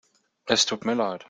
Es tut mir leid.